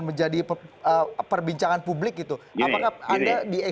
ternyata abrahamof setelah beretak di